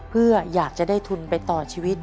เพื่ออยากจะได้ทุนไปต่อชีวิต